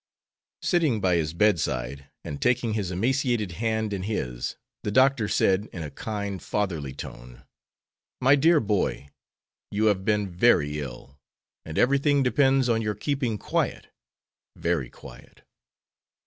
Sitting by his bedside, and taking his emaciated hand in his, the doctor said, in a kind, fatherly tone: "My dear boy, you have been very ill, and everything depends on your keeping quiet, very quiet."